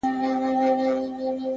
ستا د ميني پـــه كـــورگـــي كـــــي،